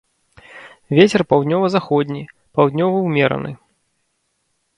Вецер паўднёва-заходні, паўднёвы ўмераны.